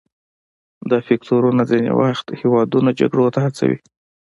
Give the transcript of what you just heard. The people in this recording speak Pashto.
دا فکتورونه ځینې وخت هیوادونه جګړو ته هڅوي